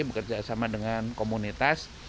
bekerja sama dengan komunitas